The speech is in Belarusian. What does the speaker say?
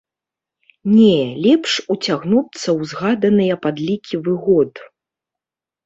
Не, лепш уцягнуцца ў згаданыя падлікі выгод.